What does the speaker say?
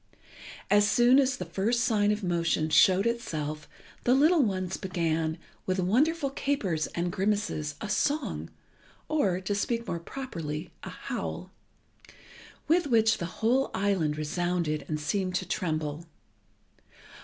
As soon as the first sign of motion showed itself the little ones began, with wonderful capers and grimaces, a song, or, to speak more properly, a howl, with which the whole island resounded and seemed to tremble.